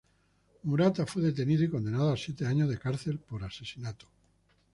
Murata fue detenido y condenado a siete años de cárcel por asesinato.